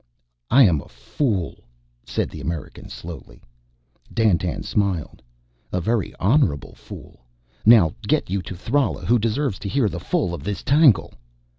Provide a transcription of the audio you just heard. "I am a fool," said the American slowly. Dandtan smiled. "A very honorable fool! Now get you to Thrala, who deserves to hear the full of this tangle."